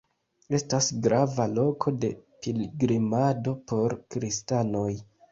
Estas grava loko de pilgrimado por kristanoj.